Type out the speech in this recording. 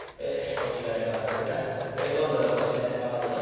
こちらへ曲がってな今度はこちらへ曲がるぞ。